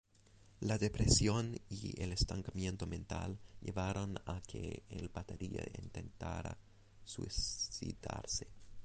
La depresión y el estancamiento mental llevaron a que el batería intentara suicidarse.